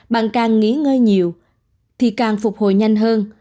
bạn càng nghĩ ngơi nhiều thì càng phục hồi nhanh hơn